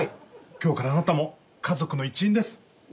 今日からあなたも家族の一員です。